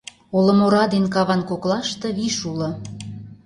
Олым ора ден каван коклаште виш уло.